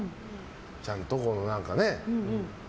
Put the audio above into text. ちゃんと、何かね。